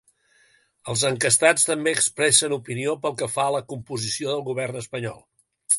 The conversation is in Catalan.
Els enquestats també expressen opinió pel que fa a la composició del govern espanyol.